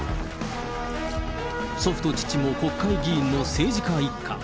祖父と父も国会議員の政治家一家。